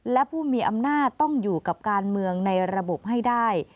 และผู้มีอำนาจต้องอยู่กับการเมืองในระบบให้ได้